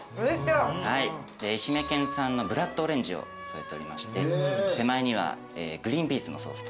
愛媛県産のブラッドオレンジを添えておりまして手前にはグリーンピースのソースと。